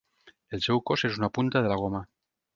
El seu cos és una punta de la goma.